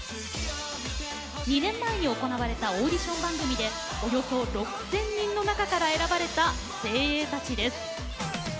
２年前に行われたオーディション番組でおよそ６０００人の中から選ばれた精鋭たちです。